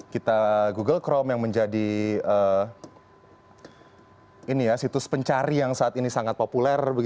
kita google chrome yang menjadi situs pencari yang saat ini sangat populer